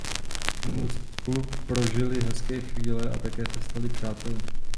V minulosti spolu prožili hezké chvíle a také se stali přáteli.